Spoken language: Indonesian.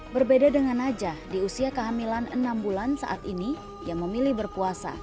berbeda dengan najah di usia kehamilan enam bulan saat ini ia memilih berpuasa